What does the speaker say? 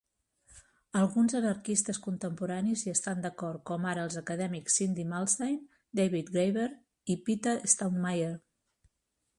Alguns anarquistes contemporanis hi estan d'acord, com ara els acadèmics Cindy Milstein, David Graeber i Peter Staudenmeier.